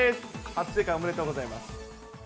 初正解おめでとうございます。